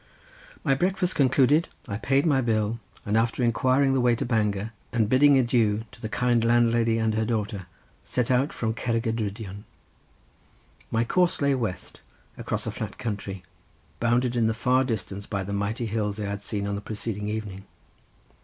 My breakfast concluded, I paid my bill, and after inquiring the way to Bangor, and bidding adieu to the kind landlady and her daughter, set out from Cerrig y Drudion. My course lay west, across a flat country, bounded in the far distance by the mighty hills I had seen on the preceding evening.